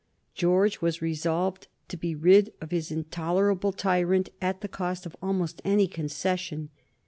George was resolved to be rid of his intolerable tyrant at the cost of almost any concession.